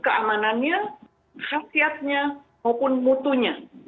keamanannya khasiatnya maupun mutunya